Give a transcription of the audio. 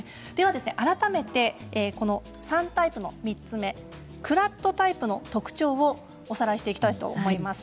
改めて３タイプの３つ目クラッとタイプの特徴をおさらいしていきたいと思います。